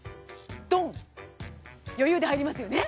ドン余裕で入りますよね